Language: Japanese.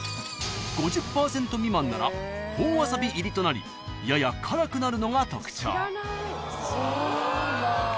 ［５０％未満なら「本わさび入り」となりやや辛くなるのが特徴］